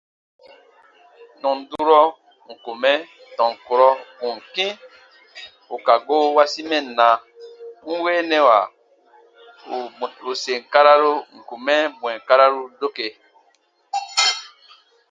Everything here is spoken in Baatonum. Tɔn durɔ ǹ kun mɛ tɔn kurɔ ù n kĩ ù ka goo wasi mɛnna, n weenɛwa ù sèn kararu ǹ kun mɛ bwɛ̃ɛ kararu doke.